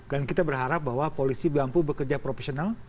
dan kita berharap bahwa polisi mampu bekerja profesional